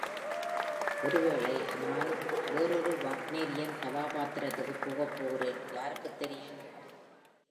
ஒருவேளை நான் வேறொரு வாக்னெரியன் கதாபாத்திரத்திற்குப் போகப்போகிறேன் - யாருக்குத் தெரியும்?